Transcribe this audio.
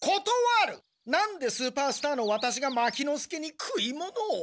なんでスーパースターのワタシが牧之介に食い物を。